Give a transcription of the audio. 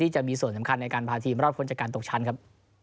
จะมีส่วนสำคัญในการพาทีมรอดพ้นจากการตกชั้นครับ